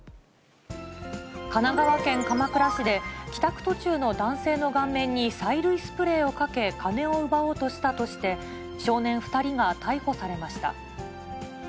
神奈川県鎌倉市で、帰宅途中の男性の顔面に催涙スプレーをかけ、金を奪おうとしたとして、少年２人が逮捕されました。